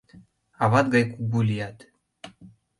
— Ават гай кугу лият.